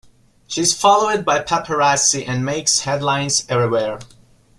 She is followed by paparazzi and makes headlines everywhere.